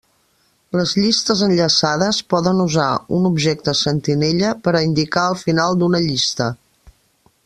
Les llistes enllaçades poden usar un objecte sentinella per a indicar el final d'una llista.